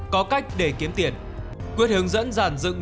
có cách để kiếm tiền quyết hướng dẫn dàn dựng